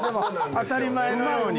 当たり前のように。